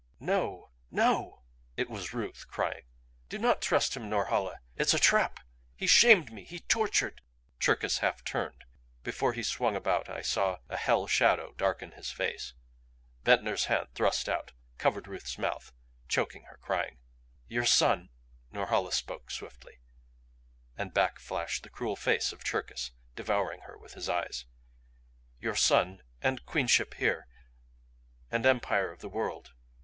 "No! No!" It was Ruth crying. "Do not trust him, Norhala! It's a trap! He shamed me he tortured " Cherkis half turned; before he swung about I saw a hell shadow darken his face. Ventnor's hand thrust out, covered Ruth's mouth, choking her crying. "Your son" Norhala spoke swiftly; and back flashed the cruel face of Cherkis, devouring her with his eyes. "Your son and Queenship here and Empire of the World."